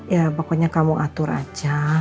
ya pokoknya kamu atur aja